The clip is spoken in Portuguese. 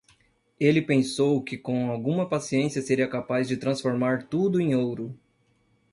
Ele pensou que com alguma paciência seria capaz de transformar tudo em ouro.